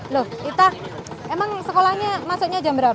loh ita emang sekolahnya masuknya jam berapa